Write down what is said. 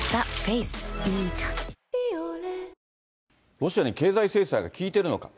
ロシアに経済制裁が効いてるのか。